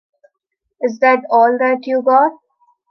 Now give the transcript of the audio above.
Is that all that you got?'.